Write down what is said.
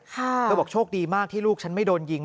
เธอบอกโชคดีมากที่ลูกฉันไม่โดนยิง